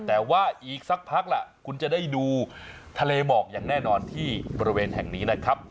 แต่ว่าอีกสักพักล่ะคุณจะได้ดูทะเลหมอกอย่างแน่นอนที่บริเวณแห่งนี้นะครับ